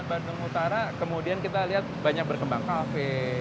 bandung utara kemudian kita lihat banyak berkembang kafe